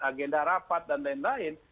agenda rapat dan lain lain